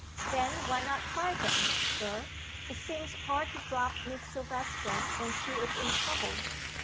"Then why not try them, Sir? It seems hard to drop Miss Silvester when she is in trouble."